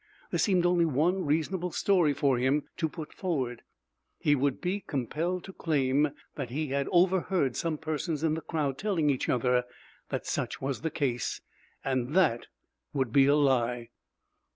There seemed only one reasonable story for him to put forward: he would be compelled to claim that he had overheard some persons in the crowd telling each other that such was the case. And that would be a lie!